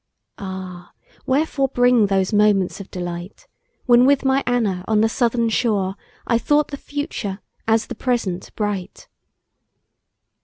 Ah! wherefore bring those moments of delight, When with my Anna, on the southern shore, I thought the future, as the present bright?